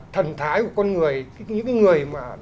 thần thái của con người những cái người mà